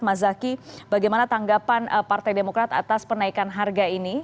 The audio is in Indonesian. mas zaky bagaimana tanggapan partai demokrat atas penaikan harga ini